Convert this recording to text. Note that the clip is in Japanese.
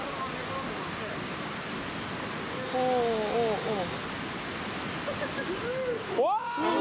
おおおおおお。